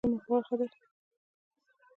سپین ږیری د کلتوري مراسمو برخه دي